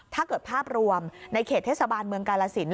ภาพรวมในเขตเทศบาลเมืองกาลสิน